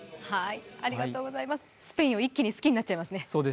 スペインを一気に好きになっちゃいますね。